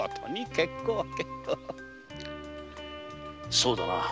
そうだな。